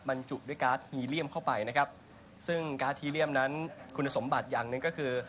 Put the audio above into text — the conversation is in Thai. บรรจุด้วยการ์ดฮีเรียมเข้าไปนะครับซึ่งการ์ดฮีเรียมนั้นคุณสมบัติอย่างหนึ่งก็คือ